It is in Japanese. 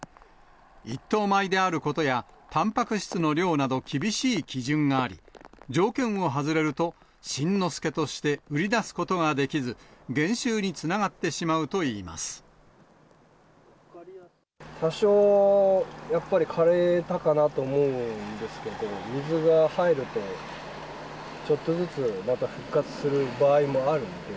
１等米であることや、たんぱく質の量など厳しい基準があり、条件を外れると新之助として売り出すことができず、減収につなが多少、やっぱり枯れたかなと思うんですけど、水が入ると、ちょっとずつまた復活する場合もあるんで。